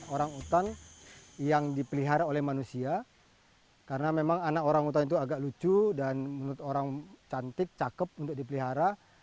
orangutan yang dipelihara oleh manusia karena memang anak orangutan itu agak lucu dan menurut orang cantik cakep untuk dipelihara